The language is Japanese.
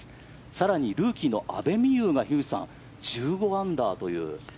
更にルーキーの阿部未悠が樋口さん１５アンダーという。